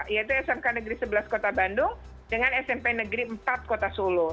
yaitu smk negeri sebelas kota bandung dengan smp negeri empat kota solo